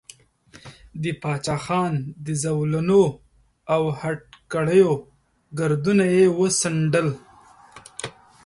د باچا خان د زولنو او هتکړیو ګردونه یې وڅنډل.